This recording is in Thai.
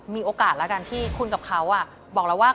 มีโอกาสแล้วกันที่คุณกับเขาบอกแล้วว่า